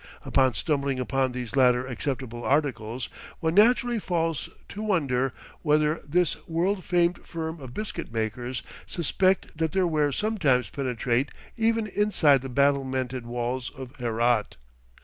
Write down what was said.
Upon stumbling upon these latter acceptable articles, one naturally falls to wondering whether this world famed firm of biscuit makers suspect that their wares sometimes penetrate even inside the battlemented walls of Herat.